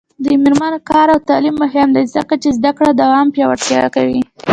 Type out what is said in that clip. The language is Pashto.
د میرمنو کار او تعلیم مهم دی ځکه چې زدکړو دوام پیاوړتیا کوي.